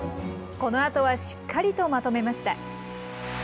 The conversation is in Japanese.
このあとはしっかりとまとめました。